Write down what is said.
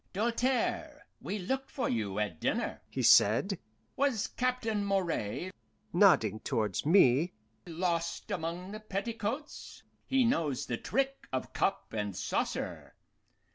"Doltaire, we looked for you at dinner," he said. "Was Captain Moray" nodding towards me "lost among the petticoats? He knows the trick of cup and saucer.